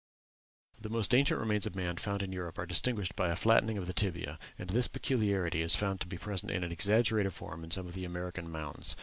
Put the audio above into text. The most ancient remains of man found in Europe are distinguished by a flattening of the tibia; and this peculiarity is found to be present in an exaggerated form in some of the American mounds.